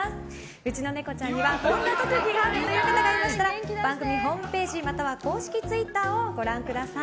うちのネコちゃんにはこんな特技があるなどありましたが番組ホームページまたは公式ツイッターをご覧ください。